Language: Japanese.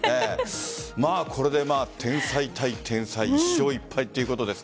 これで天才対天才１勝１敗ということですか。